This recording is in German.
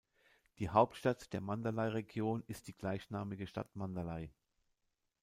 Die Hauptstadt der Mandalay-Region ist die gleichnamige Stadt Mandalay.